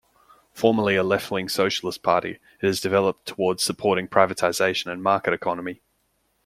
Formerly a left-wing socialist party, it has developed towards supporting privatisation and market economy.